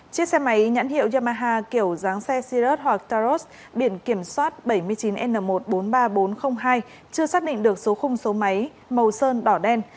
chiếc xe máy nhãn hiệu yamaha kiểu dáng xe cirrus hoặc taurus biển kiểm soát bảy mươi chín n một trăm bốn mươi ba nghìn bốn trăm linh hai chưa xác định được số khung số máy màu sơn đỏ đen